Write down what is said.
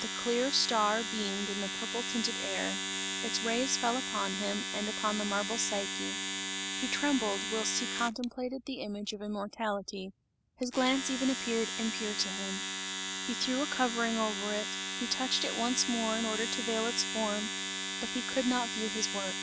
The clear star beamed in the purple tinted air, its rays fell upon him, and upon the marble Psyche; he trembled whilst he contemplated the image of immortality, his glance even appeared impure to him. He threw a covering over it, he touched it once more in order to veil its form, but he could not view his work.